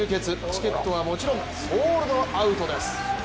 チケットはもちろんソールドアウトです。